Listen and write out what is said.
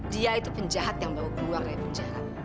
dia itu penjahat yang baru keluar dari penjahat